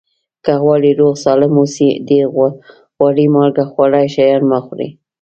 که غواړئ روغ سالم اوسئ ډېر غوړي مالګه خواږه شیان مه خوری